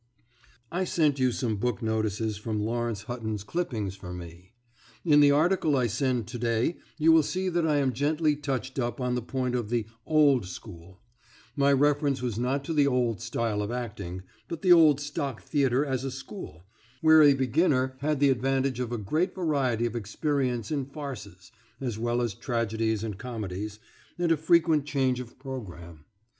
I sent you some book notices from Lawrence Hutton's clippings for me.... In the article I send to day you will see that I am gently touched up on the point of the "old school"; my reference was not to the old style of acting, but the old stock theatre as a school where a beginner had the advantage of a great variety of experience in farces, as well as tragedies and comedies, and a frequent change of programme.